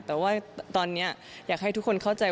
แต่ว่าตอนนี้อยากให้ทุกคนเข้าใจ